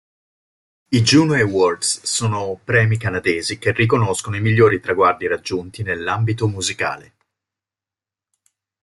I Juno Awards sono premi canadesi che riconoscono i migliori traguardi raggiunti nell'ambito musicale.